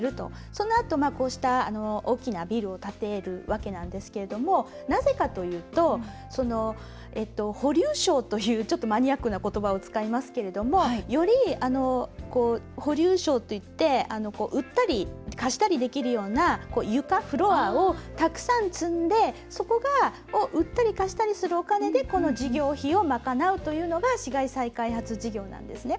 そのあと、こうした大きなビルを建てるわけなんですけれどもなぜかというと「保留床」というちょっとマニアックな言葉を使いますけれどもより保留床といって売ったり貸したりできるような床、フロアをたくさん積んでそこを売ったり貸したりするお金でこの事業費を賄うというのが市街地再開発事業なんですね。